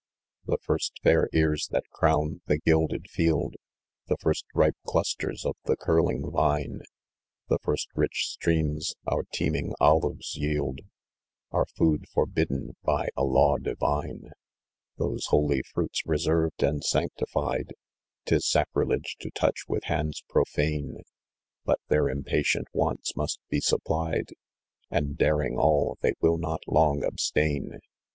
" The first fair ears that crown the gi!d?d field, The first ripe clusters of the curling vine, The first rich streams our teeming olives yield, Are food forbidden by a law divine, " Those holy fruits reserved and sanctified, 'Tis sacrilege to touch with hands profane ; But their impatient wants must be supplied, And, daring all, they will not long abstain.